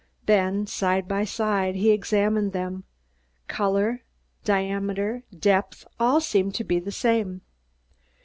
Then, side by side, he examined them; color, cutting, diameter, depth, all seemed to be the same.